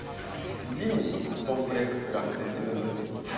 字にコンプレックスがあって自分の字に。